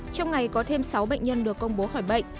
trong ngày có thêm sáu bệnh nhân được công bố khỏi bệnh